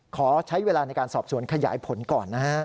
ขอใช้เวลาในการสอบสวนขยายผลก่อนนะฮะ